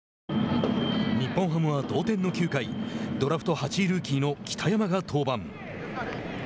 日本ハムは同点の９回ドラフト８位ルーキーの北山が登板。